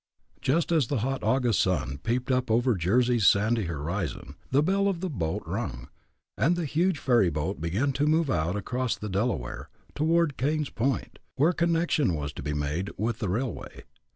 Just as the hot August sun peeped up over Jersey's sandy horizon, the bell of the boat rung, and the huge ferry boat began to move out across the Delaware, toward Kaighn's Point, where connection was to be made with the railway.